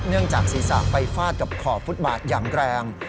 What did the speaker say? เนื่องจากศีรษะไปฟาดกับขอบฟุตบาทอย่างแรง